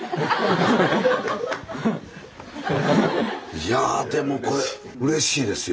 いやでもこれうれしいですよ